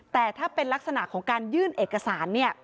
แต่ถ้าเป็นลักษณะของการยื่นเอกสารเนี่ย